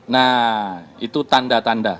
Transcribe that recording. nah itu tanda tanda